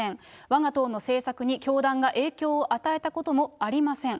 わが党の政策に教団が影響を与えたこともありません。